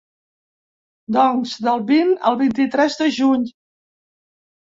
Doncs del vint al vint-i-tres de juny.